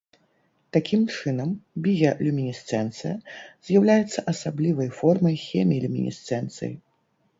Такім чынам, біялюмінесцэнцыя з'яўляецца асаблівай формай хемілюмінесцэнцыі.